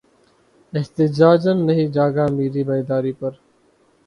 احتجاجاً نہیں جاگا مری بیداری پر